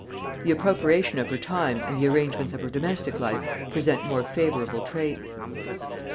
The appropriation of her time and the arrangements of her domestic life present more favorable traits.